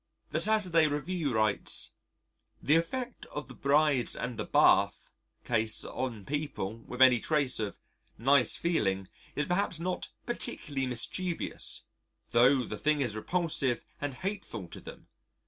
The Saturday Review writes: The effect of the "Brides and the Bath" Case on people with any trace of nice feeling is perhaps not particularly mischievous, tho' the thing is repulsive and hateful to them....